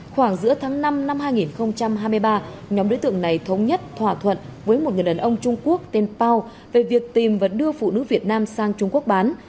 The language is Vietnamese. khoảng giữa tháng năm năm hai nghìn hai mươi ba nhóm đối tượng này thống nhất thỏa thuận với một người đàn ông trung quốc tên pao về việc tìm và đưa phụ nữ việt nam sang trung quốc bán